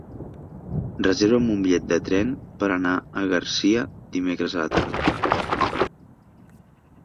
Reserva'm un bitllet de tren per anar a Garcia dimecres a la tarda.